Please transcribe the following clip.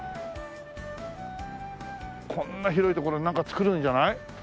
こんな広い所になんか造るんじゃない？